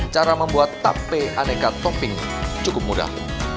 cara membuat tape aneka topping cukup mudah